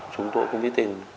súng tôi cũng viết tin